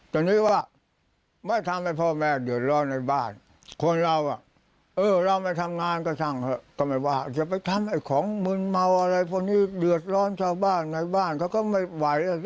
ตอนนี้ว่าไม่ทำให้พ่อแม่เดือดร้อนในบ้านคนเราเราไม่ทำงานก็ช่างเถอะก็ไม่ว่าจะไปทำไอ้ของมืนเมาอะไรพวกนี้เดือดร้อนชาวบ้านในบ้านเขาก็ไม่ไหว